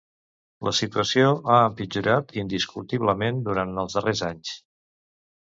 La situació ha empitjorat indiscutiblement durant els darrers anys.